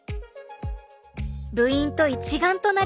部員と一丸となりたい。